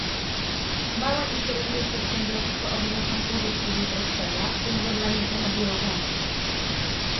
Małe i średnie przedsiębiorstwa odniosą korzyści z uproszczenia, w tym z ograniczenia biurokracji